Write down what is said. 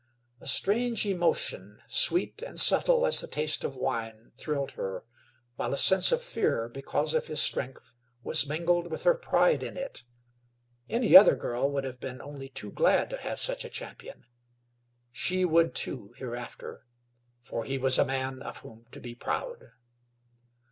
A strange emotion, sweet and subtle as the taste of wine, thrilled her, while a sense of fear because of his strength was mingled with her pride in it. Any other girl would have been only too glad to have such a champion; she would, too, hereafter, for he was a man of whom to be proud.